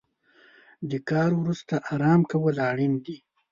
د کار وروسته ارام کول اړین دي.